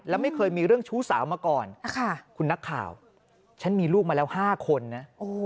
แล้วไม่เคยมีเรื่องชู้สาวมาก่อนคุณนักข่าวฉันมีลูกมาแล้ว๕คนนะ